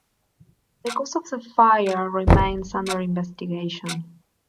The cause of the fire remains under investigation.